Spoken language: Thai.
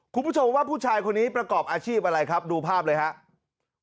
คุณผู้ชมว่าผู้ชายคนนี้ประกอบอาชีพอะไรครับดูภาพเลยครับ